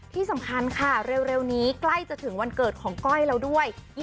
ที่สำคัญค่ะเร็วนี้ใกล้จะถึงวันเกิดของก้อยแล้วด้วย